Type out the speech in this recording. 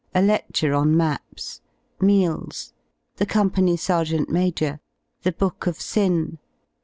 § A lec ture on maps. § Meals. § The Company Sergeant Major. § The book of sin.